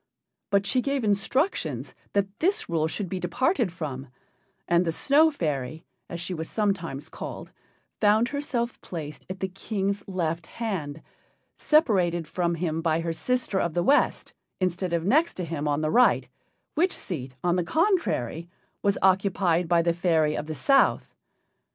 But she gave instructions that this rule should be departed from, and the Snow fairy, as she was sometimes called, found herself placed at the King's left hand, separated from him by her sister of the West, instead of next to him on the right, which seat, on the contrary, was occupied by the fairy of the South.